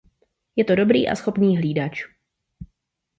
Je to dobrý a schopný hlídač.